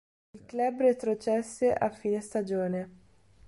Il club retrocesse a fine stagione.